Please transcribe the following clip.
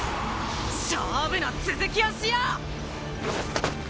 勝負の続きをしよう！